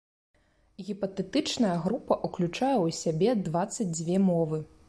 Гіпатэтычная група ўключае ў сябе дваццаць дзве мовы.